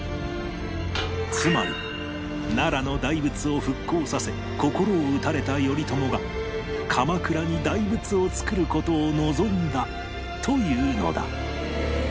つまり奈良の大仏を復興させ心を打たれた頼朝が鎌倉に大仏を造る事を望んだというのだ